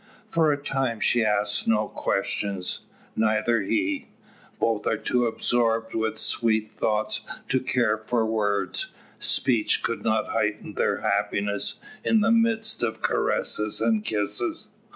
For a time she asks no questions; neither he. Both are too absorbed with sweet thoughts to care for words. Speech could not heighten their happiness, in the midst of caresses and kisses.